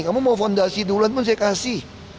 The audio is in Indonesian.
kamu mau fondasi duluan pun saya kasih